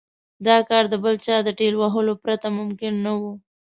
دا کار د بل چا د ټېل وهلو پرته ممکن نه و.